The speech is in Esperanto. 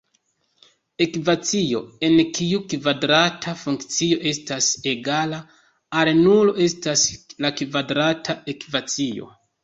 Ekvacio en kiu la kvadrata funkcio estas egala al nulo estas la kvadrata ekvacio.